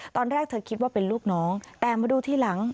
ตอนแรกเธอคิดว่าเป็นลูกน้องแต่มาดูทีหลัง